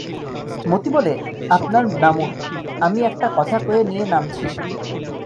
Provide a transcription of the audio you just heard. মতি বলে, আপনার নামুন, আমি একটা কথা কয়ে নিয়ে নামছি।